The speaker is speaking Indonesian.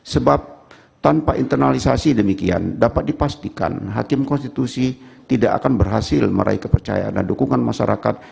sebab tanpa internalisasi demikian dapat dipastikan hakim konstitusi tidak akan berhasil meraih kepercayaan dan dukungan masyarakat